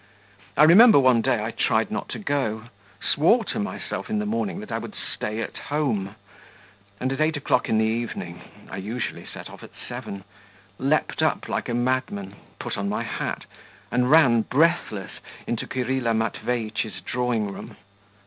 I remember one day I tried not to go, swore to myself in the morning that I would stay at home, and at eight o'clock in the evening (I usually set off at seven) leaped up like a madman, put on my hat, and ran breathless into Kirilla Matveitch's drawing room.